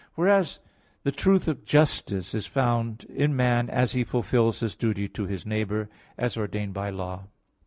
1). Whereas the truth of "justice" is found in man as he fulfills his duty to his neighbor, as ordained by law.